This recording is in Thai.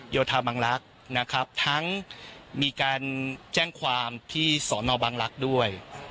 โยธาบังลักษณ์นะครับทั้งมีการแจ้งความที่สอนอบังลักษณ์ด้วย